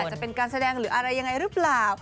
จะเป็นการแสดงหรืออะไรยังไงหรือเปล่า